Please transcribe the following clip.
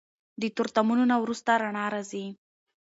د تورتمونو نه وروسته رڼا راځي.